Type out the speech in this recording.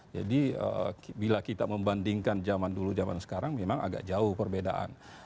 jadi bila kita membandingkan zaman dulu dan zaman sekarang memang agak jauh perbedaan